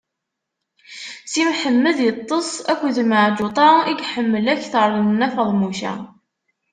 Si Mḥemmed iṭṭeṣ akked Meɛǧuṭa i yeḥemmel akteṛ n Nna Feḍmuca.